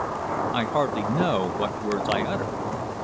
I hardly know what words I uttered.